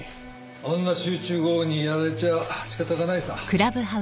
あんな集中豪雨にやられちゃ仕方がないさ。